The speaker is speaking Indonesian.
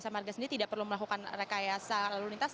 jasa marga sendiri tidak perlu melakukan rekayasa lalu lintas